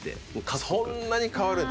そんなに変わるんだ。